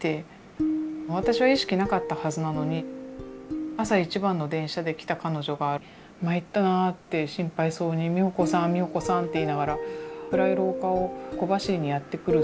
私は意識なかったはずなのに朝一番の電車で来た彼女が「参ったなあ」って心配そうに「美穂子さん美穂子さん」って言いながら暗い廊下を小走りにやって来る